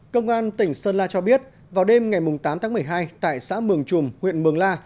công an tỉnh sơn la cho biết vào đêm ngày tám tháng một mươi hai tại xã mường chùm huyện mường la